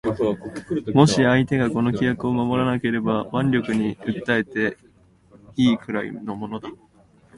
もし相手がこの規約を守らなければ腕力に訴えて善いくらいのものだ